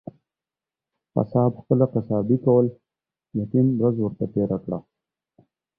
قصاب خپله قصابي کول ، يتيم ورځ ورته تيره کړه.